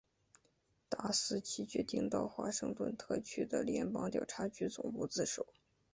达斯奇决定到华盛顿特区的联邦调查局总部自首。